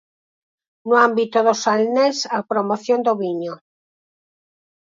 No ámbito do Salnés a promoción do viño.